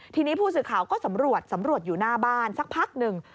ทีนี้ผู้สื่อข่าวก็สำรวจสำรวจอยู่หน้าบ้านสักพักหนึ่ง